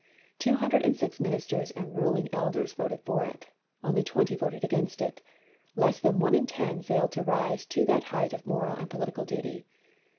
Two hundred and six min isters and ruling elders voted for it ; only twenty voted against it ; less than one in ten failed to rise to that height of moral and political duty.